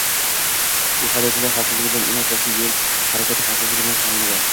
U haydovchilar xavfsizligi bilan emas, balki yo'l harakati xavfsizligi bilan shug'ullanadi;